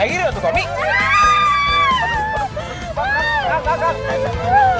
kayak mau nanyainin mas